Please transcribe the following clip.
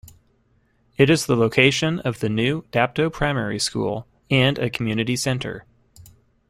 It is the location of the new Dapto Primary school and a community centre.